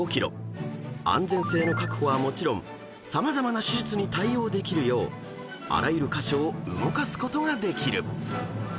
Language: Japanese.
［安全性の確保はもちろん様々な手術に対応できるようあらゆる箇所を動かすことができる］